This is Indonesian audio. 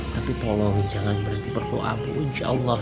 tapi tolong jangan berhenti berdoa insya allah